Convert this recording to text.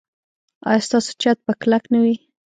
ایا ستاسو چت به کلک نه وي؟